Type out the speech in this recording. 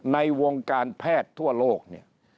ในวงการแพทย์ทั่วโลกเนี่ย